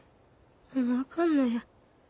もうあかんのや。